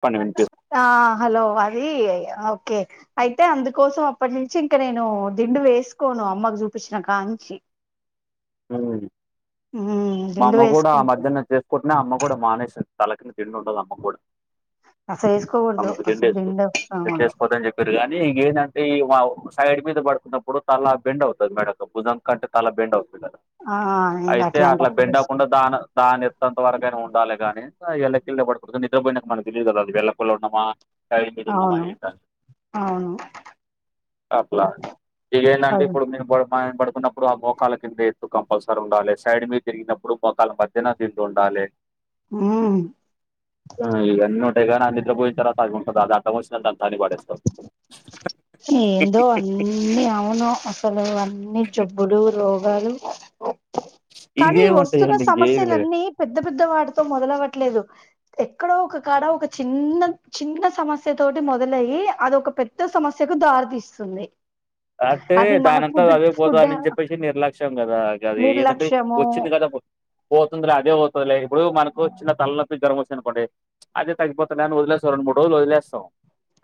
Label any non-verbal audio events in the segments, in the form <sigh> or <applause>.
చెప్పండి వినిపిస్ ఆ హలో అది ఓకే అయితే అందుకోసం అప్పటి నుంచి ఇంక నేను దిండు వేసుకో ను అమ్మకు చూపించిన కాంచి ఆ హ్మ్. మా దిండు అమ్మ కూడా ఆ వేసుకుంట మధ్యాహ్నం చేసుకుంటనే అమ్మ కూడ మానేసింది తలకింద దిండు ఉండదు అమ్మకు కూడా అసలు వేసుకోకూడదు అమ్మకు అసలు దిండేసుకోదు దిండు వేసుకోకూడదు దిండేసుకోవద్దని చెప్పిల్లు కానీ ఇంకే ఈ సైడ్ మీద పడుకున్నప్పుడు తలా బెండ్ అవుతది మేడకు భుజం కంటే తల బెండ్ అవుతుంది ఆ ఇంకా అట్లాంటప్పుడు పెండ వేసుకు కొండ దాన దా అంతవరకైనా ఉండాలి కానీ ఎల్లకిళ్ళ పడుకోవద్దని నిద్రపోయినక మనకు తెలీదు కదా అది వెల్లకిల్ల ఉన్నమా సైడ్ తిరిగి ఉన్నమా అవును అవును అట్ల ఇంకేందంటే అదే. ఇప్పుడు మీ కున్నప్పుడు మోకాల కింద ఎత్తు కంపల్సరీ ఉండాలి సైడ్ మీద తిరిగినప్పుడు మోకాల మధ్యన దిండు ఉండాలి హ్మ్. ఆ ఇయన్నీ ఏదైనా నిద్ర పోయిన తర్వాత అది ఉంటదా అది అడ్డం వచ్చిందని దాన్ని తన్ని పడేస్తవ్ ఏందో అన్ని అవును అసలు అన్ని జబ్బులు రో గాలు కానీ ఇవే వస్తున్న ఉంటాయండి ఇంకేమి లేదు సమస్యలన్నీ పెద్ద పెద్ద పెద్ద వాటితో మొదలవ్వట్లేదు ఎక్కడో ఒక కాడ ఒక చిన్న చిన్న సమస్య తోటి మొదలయ్యి అదోక పెద్ద సమస్యకు దారితీస్తుంది అంటే అది మన దానంతట ఫుడ్ అదే ఫుడ్ పోతదని చెప్పేసి నిర్లక్ష్యం కదా అది ఏందంటే నిర్లక్ష్యము వచ్చింది కదా పోతుందిరా అదే పోతదిలే ఇప్పుడు మనకు చిన్న తలనొప్పి జ్వరం వచ్చింది అనుకోండి అదే తగ్గిపోతదిలే అని వదిలేస్తాం రెండు మూడు రోజులు వదిలేస్తాం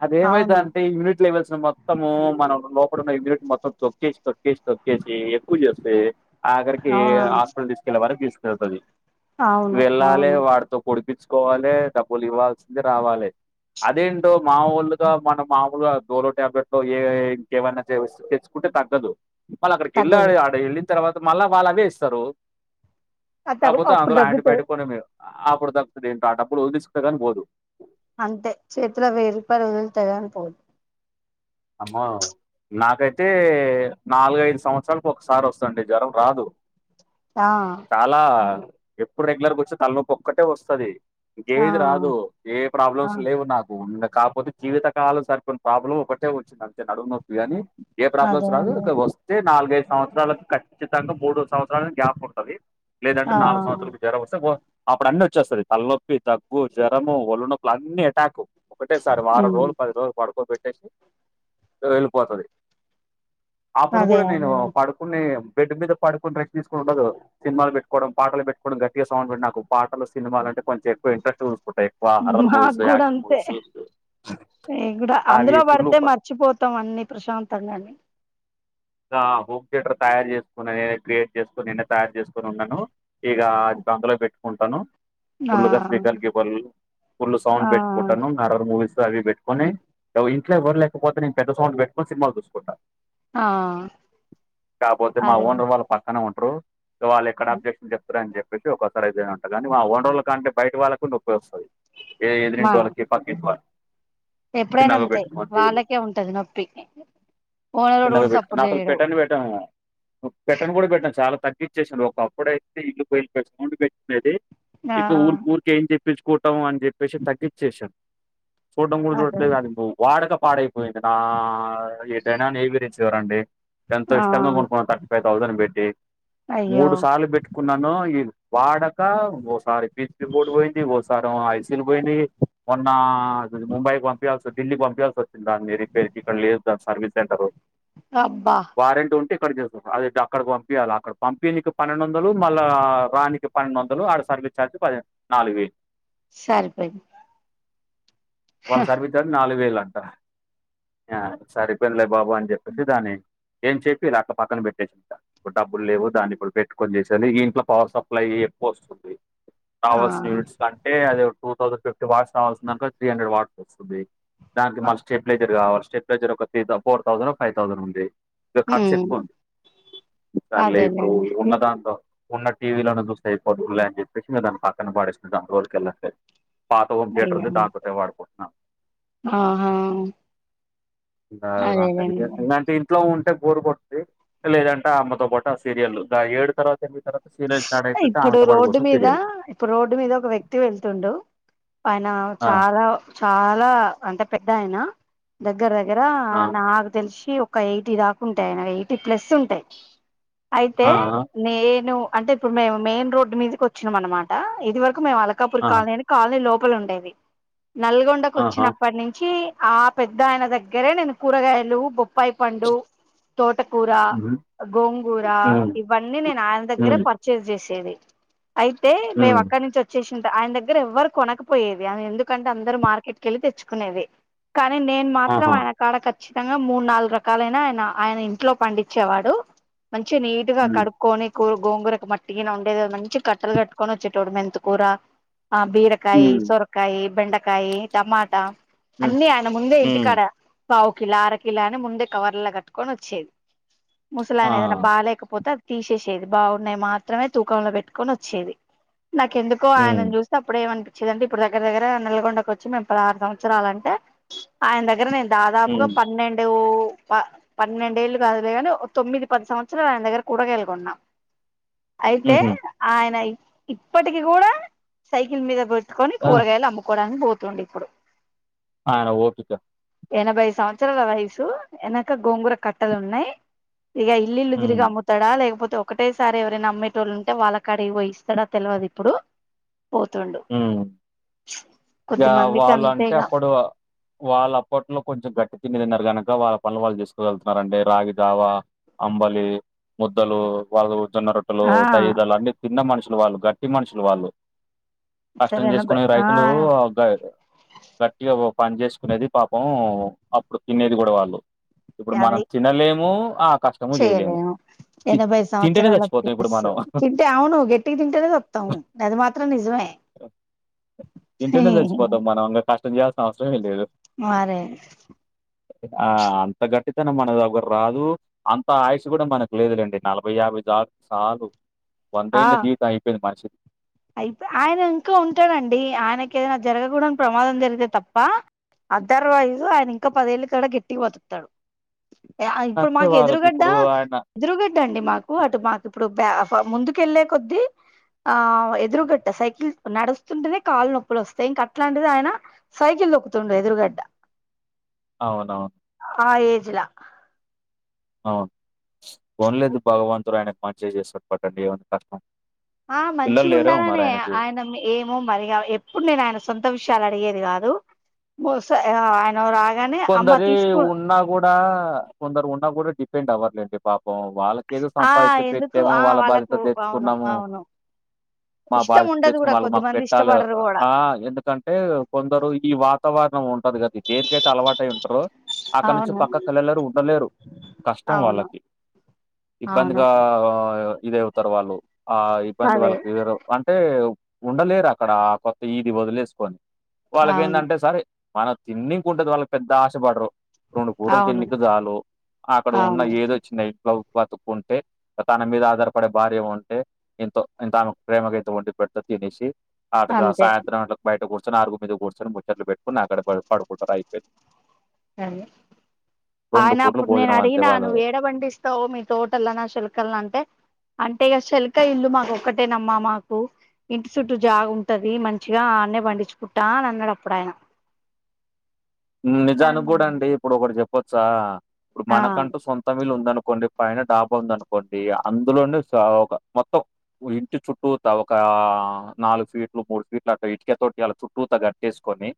అదే ఏమైతది అవును అంటే ఇమ్యూనిటీ లెవెల్స్ మొత్తం మన లోపల ఉన్న ఇమ్యూనిటీ మొత్తం తొక్కేస్తది తొక్కేసి తొక్కేసి ఎక్కువ చేస్తే ఆఖరికి ఆ హాస్పిటల్ తీసుకెళ్ళే వరకు తీసుకెళ్తది అవును వెళ్ళాలి అవును వాడితో పొడి ప్పించుకోవాలి డబ్బులు ఇవ్వాల్సింది రావాలి అదేంటో మాముూలుగా మన మామూలుగా డోలో ట్యాబ్లెట్లో ఏ ఏమన్నా తెచ్చుకుంటే తగ్గదు మల్ల అక్కడికి వెళ్లి తగ్గదు ఆడ ఎల్లి తర్వాత మళ్ళా వాళ్ళు అవే ఇస్తరు అ తగ్ కాకపోతే అప్పుడు అందులో యాంటీ తగ్గుతది బయోటిక్ కూడా ఆ అప్పుడు తగ్గుతది ఇంకా డబ్బులు వదిలేసుకుంటే కానీ పోదు అంతే చేతిలో వెయ్యి రూపాయలు వదులుతే కానీ పోదు అమ్మో నాకైతే నాలుగైదు సంవత్సరాలకు ఒకసారి వస్తదండి జ్వరం రాదు ఆ చాలా ఎప్పుడు రెగ్యులర్ వచ్చేది తలనొప్పి ఒక్కటే వస్తది ఆ ఇంకేది రాదు ఏ ఆ ప్రాబ్లమ్స్ లేవు నాకు ఉ కాకపోతే జీవితకాలం సరిపోను ప్రాబ్లం ఒకటే వచ్చింది అంతే నడుంనొప్పి కానీ ఏ అదే ప్రాబ్లమ్స్ రాదు అదే ఇక వస్తే నాలుగైదు సంవత్సరాలకు ఖచ్చితంగా మూడు సంవత్సరాల గ్యాప్ ఉంటది లేదంటే ఆ నాలుగు సంవత్సరలకు జ్వరం వస్తే అప్పుడన్న వచ్చేస్తది తలనొప్పి తగ్గు జ్వరము ఒళ్ళు నొప్పులు అన్ని అటాకు ఒకటేసారి వారం ఉమ్ రోజులు పది రోజులు పడుకోబెట్టేసి ఇగ వెళ్ళిపోతది అప్పుడు అదే కూడా నేను అదే పడుకునే బెడ్ మీద పడుకుని రెస్ట్ తీసుకోవడం ఉండదు సినిమాలు పెట్టుకోవడం పాటలు పెట్టుకోవడం గట్టిగా సౌండ్ నాకు పాటలు సినిమాలాం కొంచ్సేపు ఇంట్రస్ట్గ చూస్ స్త ఎక్కువా హర్రర్ మూవీస్, మాకు కూడా ఆక్షన్ అంతే మూవీసు. అవీ తే మర్చిపోతం అన్నీ, ప్రశాంతంగ అన్నీ. ఆ హోమ్ థియేటర్ తయారు చేసుకున్న నేనే క్రియేట్ చేసుకుని నేనే తయారు చేసుకొని ఉన్ననూ. ఇగా అందులో పెట్టుకుంటనూ. ఆ ఫుల్గా స్పీకర్ కేబల్లు, ఫుల్లు ఆ సౌండ్ పెట్టుకుంటను హర్రర్ మూవీస్. అవి పెట్టుకొనీ. ఇంట్లో ఎవ్వరు లేకపోతే నేను పెద్ద సౌండ్ పెట్టుకొని సినిమాలు చూసుకుంటా. ఆ కాపోతే మా అదే ఓనర్ వాళ్ళు పక్కనే ఉంటరు. ఇగ వాళ్ళు ఎక్కడ అబ్జక్షన్ చేస్తరని చెప్పేసి ఒకసారి ఏదైనా ఉంటా గానీ. మా ఓనోర్ల కంటే బయట వాళ్ళకు నొప్ ప్పి వస్తుంది. ఏ మా ఎదురింటి వాళ్ళకి, పక్కింటి వాళ్ ఎప్పుడైనా అంతే వాళ్ళకే ఉంటది నొప్పి. ఓనరోడు గూడ సప్ నే అసల్ పెట్టనే పెట్టనూ. పెట్టను గూడ పెట్టన్ చాలా తగ్గిచేశాను ఒకప్పుడయితే ఇల్లు పేలుపోయే సౌండ్ పెట్టుకునేది. ఆ ఇక ఊర్ ఊరికే ఇంటి పిచ్చుకోటం అని చెప్పేశి తగ్గిచేశాన్. చూడ్డం గూడ అదే చూడట్లేదు అది వాడక పాడైపోయింది నా ఎటైనా నీళ్ళు <unintelligible> చ్చేవరండి. ఎంతో ఆ ఇష్టంగా కొనుకున్నాను థర్టీ ఫైవ్ థౌజండ్ పెట్టి. అయ్యో మూడు సార్లు పెట్టుకున్నాను ఈ వాడకా ఓసారి పీచ్ బోర్డు పోయింది, ఓసారేమో ఐసీలు పొయినయి. మొన్నా <unintelligible> ముంబైకి పంపియ్యాల్ సొ ఢిల్లీకి పంపియ్యాల్సి వచ్చింది దాన్ని రిపేయిర్కి ఇక్కడ లేదు దాని సర్వీస్ సెంటరు. అబ్బా అక్కడే చేస్తరు. అది అక్కడకు పంపియ్యాల అక్కడక్ పంపీయనికి పన్నెండు వందలు మళ్ళా రానికి పన్నెండు వందలు ఆడసర్ ర్వీస్ ఛార్జ్ పదిహేన్ నాలుగు వేయిల్ సరి పోయింది. వాళ్ళ సర్వీస్ ఛార్జ్ నాలుగు వేలు అంటా. ఆ మేం సరిపోయిందిలే బాబు అని చెప్పిశి శి దాన్నే ఏం చెప్పి లేకపోతే పక్కన పెట్టేసుంట. ఇప్పుడ్ డబ్బుల్ లేవు దాన్ని ఇప్పుడు పెట్టుకొని చేశేది ఈ ఇంట్లో పవర్ సప్లై ఎక్కువస్తుంది. ఆ కావల్సిన యూనిట్స్ కంటే అది టూ తౌసండ్ ఫిఫ్టీ వాట్స కావాల్సిందనుకో త్రీ హండ్రెడ్ వాట్స వస్తుంది. దానికి మళ్ళ స్టెప్లైజర్ కావాల, స్టెప్లైజర్ ఒక త్రీ ఫోర్ థౌసనో, ఫైవ్ థౌసనో ఉంది. ఇగ ఖర్చు ఉమ్ ఎక్కువ ఉంది. సర్లే ఇప్పుడు అదేలేండి ఉన్న దాంట్లో ఉన్న టీవీలోన చూస్తే అయిపోద్దిలే అని చెప్పేశి మరి దాన్ని పక్కన పాడేశి దాని జోలికి వెళ్ళట్లేద్. పాత హోమ్ థియేటర్ అయ్యో ఉంది దాంతోటే వాడుకుంటున్నాం. ఆహా అదేలేండి <unintelligible> ఇలాంటియి ఇంట్లో ఉంట్ టే బోరు కొట్ది <inaudible> లేదంటే అమ్మతో పాటు ఆ సీరియల్లు ఆ ఏడు తర్వాత్ ఎనిమిది తర్వాత సీరియల్ స్టార్ట్ అయిపోతే ఇప్పుడు ఆమెతోపాటు రోడ్డు కూసొని మీద సీరియల్లు. ఇప్పుడు పైనా చాలా చాలా అంటే పెద్దాయనా. దగ్గ్ గ్గర దగ్గరా ఆ నాకు తెల్శీ ఒక్క ఎయిటీ దాకుంటాయి ఆయన ఎయిటీ ప్లస్సు ఉంటాయి. అయితే ఆ నేను అంటే ఇప్పుడు మేము మెయిన్ రోడ్డు మీదికి వచ్చినం అనమాటా. ఇది వరక్ కు మేము అల్కాపూర్ ఆ కాలనీ అని కాలనీ లోపల ఉండేది. నల్గొండకు ఆహా వచ్చినప్పటి నుంచీ ఆ పెద్దాయన దగ్గరే నేను కూరగాయలూ, బొప్పాయి పండు, తోట కూరా, మ్మ్ గోంగూరా మ్మ్ ఇవన్నీ నేను ఆయన దగ్గరే హ్మ్. పర్చేస్ చేశేది. అయితే మేము హ్మ్. అక్కడి నుంచి వచ్చేశి చింత ఆయన దగ్గర ఎవ్వరు కొనకపోయేది అ ఎందుకంటే అందరూ మార్కెట్కెళ్ళి తెచ్చుకునేది. కానీ నేన్ మాత్రం ఆహా! ఆయన కాడ ఖచ్చ్ చ్చితంగా మూడు నాలుగు రకాలైనా ఆయనా, ఆయన ఇంట్లో పండిచ్చేవాడూ. మంచిగ నీట్ గా హ్మ్. కడుక్కోని కూ గోంగూర మట్టి గిన ఉండేది గాదు మంచిగ్ కట్టలు కట్టుకొని వచ్చేటోడు. మెంతుకూరా ఆ బీరకాయి, హ్మ్. సొరకాయి, బెండకాయి టమాటా. హ్మ్. అన్నీ ఆయన ముందే హ్మ్. ఇంటికాడా. పావుకిిలా, అరకిలా అని ముందే కవర్లల్ల కట్టుకొని వచ్చేది. ఆ! ముసలాయన ఏదన్నా బాగలేకపోతే అద్ తీశేశిది బాగున్నాయి మాత్రమే తూకంలో పెట్టుకొని వచ్చేది. నాకెందుకో ఆయనను హ్మ్. చూసి అప్పుడేమో చ్చిదంటే ఇప్పుడు దగ్గర దగ్గర నల్గొండకొచ్చి మేము పదహారు సంవత్సరాలంటే ఆయన దగ్గర నేను దాదాపుగా హ్మ్. పన్నెండు ప పన్నెండేళ్ళు కాదులేగాని ఒ తొమ్మిది పది సంవత్సరాలు ఆయన దగ్గర కూరకాయలు కోన్నాం. అయితే హుహు. ఆయన ఇ ఇప్పటికి కూడా సైకిల్ మీదకె త్తుకొని ఆ! కూరగాయలు అమ్ముకోవడానికి పోతుండిప్పుడు ఆయన ఓపిక ఎనభై సంవత్సరాల వయసు ఎనక గోంగుర కట్టలున్నాయ్. ఇగ ఇల్లిల్లు తిరిగి హ్మ్. అమ్ముతాడా లేకపోతే ఒకటే సారేవరైనా అమ్మేటోళ్ళు ఉంటే వాళ్ళ కాడికి పోయిస్తాడో తెల్వదు ఇప్పుడు పోతుండు ఇగ కొద్ది మందికి వాళ్ళంటే అంతేగా అప్పుడు వాళ్ళప్పట్లో కొంచెం గట్టి తిండితిన్నారు గనక ఇక వాళ్ళ పనులు వాళ్ళు చేసుకోగలుగుతున్నారండి. రాగిజావా అంబలి ముద్దలు వాళ్ళు జొన్న రొట్టెలు ఆ తైదలన్ని తిన్న మనుషులు వాళ్ళు గట్టి మనుషులు వాళ్ళు కష్టం సరే ఎనభై చేసుకొనే ఆ రైతులు గ గట్టిగా పని చేసుకునేది పాపం అప్పుడు తినేది కూడా వాళ్ళు ఇప్పుడు మనం అది తినలేము ఆ కష్టము చేయలేము. తి తింటేనే చచ్చిపోతామిప్పుడు స్ తింటే అవును గట్టికి తింటేనే సత్తామ్. అది మాత్రం నిజమే. తింటేనే చచ్చిపోతాం మనమింగ కష్టం చేయాల్సిన అవసరమే లేదు. మరే ఆ అంత గట్టితనం మన దగ్గర రాదు అంత ఆయిష్షు కూడా మనకు లేదులేండి నలభై యాభై ట్లాగు సాగు వందేళ్ళ జీవితం అయిపోయింది మనిషికి అయితే ఆయన ఇంకా ఉంటాడండి. ఆయనకేదైనా జరగకూడని ప్రమాదం జరిగితే తప్ప అదర్ వైజ్ ఆయనింకా పదేళ్ళ కడ గట్టిగ బతుకుతాడు. య ఇప్పుడు అంతే మాకు వాళ్ళకి ఎదురుగడ్డ ఇప్పుడు ఆయన ఎదురుగడ్డ అండి మాకు అటు మాకు ఇప్పుడు బ్యా ప్ ముందుకెళ్లే కొద్దీ ఆ ఎదురుగడ్డ సైకిల్ నడుస్తుంటేనే కాళ్లు నొప్పులు వస్తాయి ఇంక అట్లాంటిది ఆయన సైకిల్ తొక్కుతుండు ఎదురుగడ్డ అవునవును. జిలా అవును. పోన్లేదు భగవంతుడు ఆయనకు మంచి చేస్తడు పట్టండి ఏమంత కష్టం ఆ పిల్లలు లేరేమో మరి మంచిగుండాలనే ఆయనకి ఆయన మె ఏమో మరిగా ఎప్పుడు నేను ఆయన సొంత విషయాలడిగే ది కాదు. బహుసా ఆయన రాగానే అమ్మ కొందరి తీసుకు ఉన్నా కూడా కొందరు ఉన్నా కూడా డిపెండ్ అవ్వర్లేండి పాప పం. వాళ్ళకేదో ఆ సంపాదించి ఎందుకు పెట్టాము ఆ వాళ్ళ బాధ్యత వాళ్ళకు అవును తెచ్చుకున్నాము. అవును మా ఇష్టం బాధ్యత ఉండదు దెచ్చుకు కూడా వాళ్ళు మాకు కొద్దిమంది పెట్టాలి ఇష్టపడరు కూడా ఆ ఎందుకంటే కొందరు ఈ వాతావర ణం. ఉంటది కద దేనికైతే అలవాటై ఉంటారో అక్కడి నుంచి అవును పక్కకెళ్ళలేరు ఉండలేరు కష్టం అవును వాళ్ళకి అవును ఇబ్బందిగాగా ఇది అవుతారు వాళ్ళు ఆ ఇబ్బంది అదే వాళ్ళకి ఇరు అంటే ఉండలేరు అక్కడ కొత్త ఇది వదిలేసుకొని వాళ్ళకి అవును ఏంటంటే సరే మనం తిన్ని కుంటది వాళ్ళ పెద్ద ఆశపడరు రెండు పూటలు అవును తిండికి చాలు అక్కడ ఉన్న అవును ఏదోచ్చినాయ్. లవ్ బతుకుంటే తన మీద ఆధారపడే భార్య ఉంటే ఎంతో ఎంతామే ప్రేమగైతే వొండుత్ అంత తినేసి అటుగా అంతే సాయంత్రం అట్ల బయట కూర్చొని ఆరుగు మీద కూర్చొని ముచ్చట్లు పెట్టుప కొని అక్కడ పడుకుంటారు అయిపోయింది. అదే రెండు ఆయన పూటలు అప్పుడు భోజనం అంతే నేనడిగిన వాళ్ళు నువ్వు ఏడ పండిస్తావు మీ తోటలోనా శల్కల్ అంటే అంటే ఇక శల్కా ఇల్లు మాకు ఒక్కటేనమ్మా మాకు ఇంటి చుట్టూ జాగు ఉంటది. మంచిగా ఆన్నే పండించుకుట్టా అనన్నడు అప్పుడాయన నిజాను కూడా అండి ఇప్పుడు ఒక్కటి చెప్పొచ్చా ఇప్పుడు ఆ మనకంటూ సొంతం ఇల్లు ఉందను పైన డాబ ఉంది అనుకోండి అందులోనే మొత్తం ఇంటి చుట్టూ ఒక ఆ నాలుగు ఫీట్లు మూడు ఫీట్లు అట్లా ఇటుకెతోటి అలా చుట్టూతో కట్టేసుకొని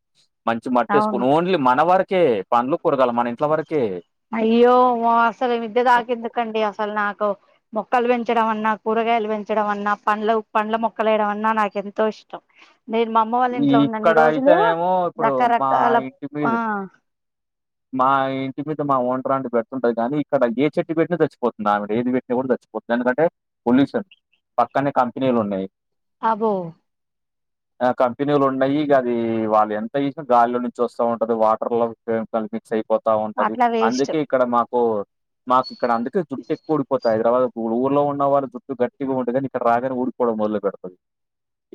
మంచి మట్టి వేసుకొని అవును ఓన్లీ మన వరకే పనలు కురగాల మన ఇంట్ల వరకు అయ్యో అసలు విద్య దాక ఎందుకండి అసలు నాకు మొక్కలు పెంచడం అన్నా కూరగాయలు పెంచడం అన్నా పండ్ల పండ్ల మొక్కలు వయడం అన్నా నాకెంతో ఇష్టం నేను మా అమ్మ వాళ్ళ ఈ- ఇంట్లో ఉన్న అన్ని ఇక్కడ రోజులు అయితేనేమో ఇప్పుడు మా రకరకాల ఇంటి మీద ఆ మా ఇంటి మీద ఓనర్ ఆన్టి పెడుతుంటది ఓనర్ కానీ ఇక్కడ ఏ చెట్టు పెట్టిన చచ్చిపోతుంది ఆవిడ ఏది పెట్టినా కూడా చచ్చి పొద్లాకంటే పొల్యూషన్ పక్కనే కంపెనీలు ఉన్నాయి అబో ఆ కంపెనీలు ఉన్నాయిక అది వాళ్ళు ఎంత ఇసం గాలిలో నుంచి వస్తా ఉంటది వాటర్ లో కల్పిచ అయిపోతా ఉంటది అట్లా వేస్ట్ అందుకే ఇక్కడ మాకు మాకు ఇక్కడ అందుకే జుట్టటు ఎక్కు ఊడిపోత హైదరాబాద్ ఇప్పుడు ఊర్లో ఉన్న వాళ్ళ జుట్టు గట్టిగా ఉంటుంది కానీ ఇక్కడ రాగానే ఊడిపోవటం మొదలు పెడుతుంది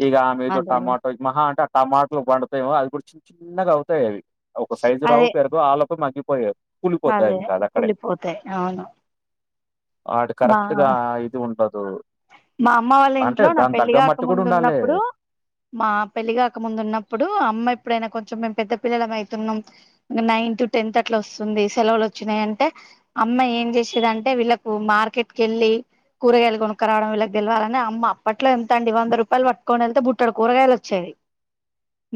ఈగ ఆ మీద అదే టమాటో మహా అంటే ఆ టమాటోలు పండుతాయమో అది కూడా చిన్న చిన్నగా అవుతాయి అవి ఒక సైజు రావు అదే పెరు మ <unintelligible> అదే పులిపోతే అవును వాడు మా కరెక్ట్ ఆ గా ఇది ఉండదు మా అమ్మ వాళ్ళ అంటే ఇంట్లో నా దాని పెళ్లి తగ్గ కాక మట్టి కూడా ముందు ఉండాలి ఉన్నప్పుడు మా పెళ్లిగాక ముందు ఉన్నప్పుడు అమ్మ ఎప్పుడైనా కొంచ మే పెద్ద పిల్లల అవుతున్నాం నైన్త్ టెన్త్ అట్లా వస్తుంది సెలవులు వచ్చినాయి అంటే అమ్మాయి ఏం చేసేదింటే వీళ్ళలకు మార్కెట్ క వెలి కూరగాయలు కొను క్క రావడం వీళ్ళకి గెలవాలని అమ్మ అప్పట్లో ఎంతండి వంద రూపాయలు పట్టుకని వెళ్తే బుట్టలు కూరగాయలు వచ్చేది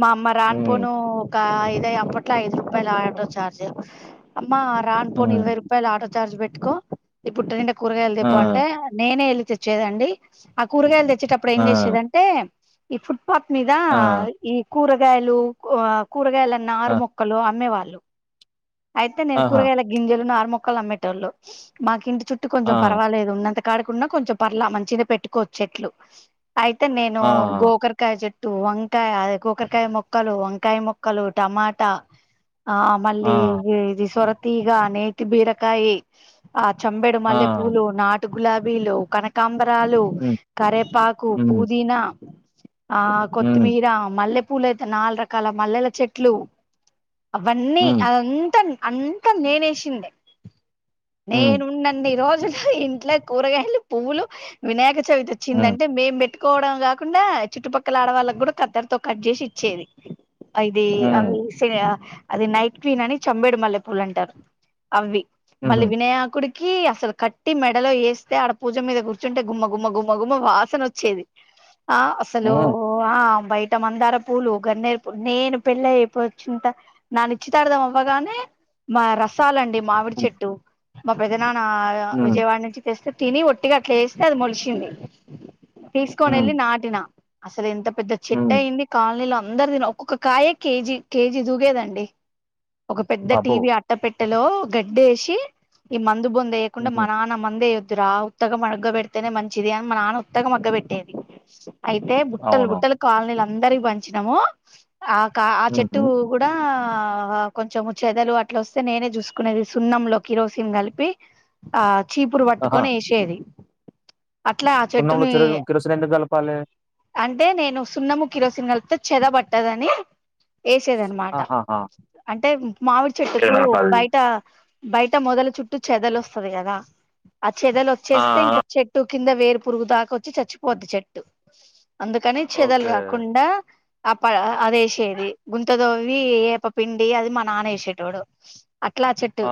మా అమ్మ ఉమ్ రానిపోను ఒక ఐద అప్పు అట్లా ఐదు రూపాయల ఆటో చార్జ్ అమ్మా రానుపోని ఇరవై ఉమ్ రూపాయల ఆటో చార్జ్ పెట్టుకో ఈ పుట్టటింట కూరగాయలు ఆ తెప్ అంటే నేనే వెళ్ళి తెచ్చేదండి ఆ కూరగాయలు తెచ్చ వచ్చేటప్పుడు ఏం ఆ చేసేదంటే ఈ ఫుట్పాత్ మీద ఆ ఈ కూరగాయలు కూరగాయల ఆ నారుమొక్కలు అమ్మేవాళ్ళు అయితే నేను ఆహా కూరగాయల గింజలు నారు మొక్కలు క్క అమ్మేటోళ్ళు మాకి ఇంటి చుట ఆ! కొంచెం పర్వాలేదు ఉన్నంత కాడకున్నా కొంచెం పర్లా మంచిగా పెట్టుకోవచ్చు చెట్లు అయితే నేను ఆ! గోకరకాయ చెట్టు వంకాయ అదే కూకరకాయ మొక్కలు వంకాయ మొక్కలు టమాటా ఆ మళ్ళీ ఇది సొరతి ఈగ నేతి బీరకాయ ఆ చంబెడు ఆ! మల్లె పూలు నాటు గులాబీలు కనకాంబ లు హ్మ్. కరేపాకు హ్మ్. పుదీనా ఆ హ్మ్. కొత్తిమీర మల్లె పూలు అయితే నాలుగు రకాల మల్లెల చెట్లు అవన్నీ హ్మ్. అదంతా అంతా నేనేసింది హ్మ్. నేనుండండి ఈ రోజున ఇంట్లో కూరగాయలు పువ్వులు వినాయక చవితచ్చి హ్మ్. ఆంటే మేం పెట్టు కోవడం కాకుండా చుట్టుపక్కల ఆడ వాళ్ళకి కూడా కద్దరితో కట్ చేసి ఇచ్చేది అది హ్మ్. అవి అది నైట్ క్వీన్ అని చంబేడు మల్లె పూలు అంటారు అవి మళ్ళీ హుహు. వినాయకుడికి అసలు కట్టి మెడలో వేస్తే ఆడ పూజ మీద కూర్చుంటే గుమ్మ గుమ్మ గుమ్మ గుమ్మ వాసన వచ్చేది ఆ అసలు హ్మ్. ఆ బయట మందార పూలు గన్నేరు పూలు నేను పెళ్ళ అపో వచ్చినంత నాని నిచ్చితాడదాం అవ్వగానే మా రసాలండి మామిడి హ్మ్. చెట్టు మా పెద్ద నాన్న హ్మ్. విజయవాడ నుంచి తెస్తే తిని ఒట్టిగా అట్లా వేస్తే అది మలిచింది తీసుకొని హ్మ్. వెళ్ళి నాటిన అసలు ఎంత పెద్ద చెట్టు హ్మ్. అయినది కాలనీలో అందరు ఒక్కొక్కరు కాయే కేజీ కేజీ దూగేదండి ఒక పెద్ద అబ్బో! టీవీ అట్ట పెట్టలో గడ్డి వేసి ఈ మ అందు బొంద వయకుండా మా హుహు. నాన్న మందే ఇదురా ఉత్తగం మగ్గ పెడితేనే మంచిది అని మా నాన్న ఉత్తగం మగ్గ పెట్టేది అయితే బుట్టలు అవును. బుట్టలు కాలనీలు అందరికి పంచినాము ఆ చెట్టు హుహు. కూడా ఆ కొంచెం చెదలు అట్ల వస్తే నేనే చూసుకునేది సున్నం కిరోసిన్ కలిపి ఆ చీపురు ఆహా! పట్టుకొని ఏషేది అట్లా ఆ సున్నంలో చెట్టుని చిరు కిరోసిన్ ఎందుకు కలపాలి? అంటే నేను సున్నము కిరోసిన్తో కలిపితే చెద పట్టదని వేసేదన్నమాట ఆహాహా! అంటే మామిడి చెట్టుకు కిరణాలు. బయట బయట మొదలు చుట్టూ చెదలు వస్తది కదా ఆ చెదలు ఆ! వచ్చేస్తే ఇంకా చెట్టు కింద వేరు పురుగు దాకా వచ్చి చచ్చిపోద్ది చెట్టు అందుకని చేదలు ఓకే. రాకుండా అది వేసేది గుంతతవ్వి వేప పిండి అది మా నాన్న వేసేటోడు అట్లా ఆ చెట్టు